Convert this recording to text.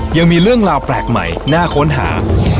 ยังมีเรื่องราวแปลกใหม่น่าค้นหา